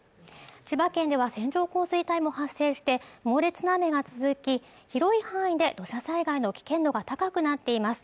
千葉県では線状降水帯も発生して猛烈な雨が続き広い範囲で土砂災害の危険度が高くなっています